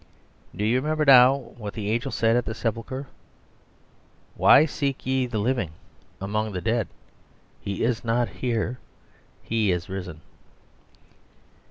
Do you remember now what the angel said at the sepulchre? 'Why seek ye the living among the dead? He is not here; he is risen.